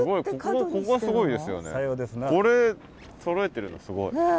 これそろえてるのすごい。